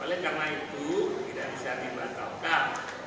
oleh karena itu tidak bisa dibatalkan